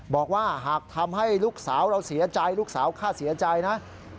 บอกว่าหากทำให้ลูกสาวเราเสียใจลูกสาวค่าเสียใจนะ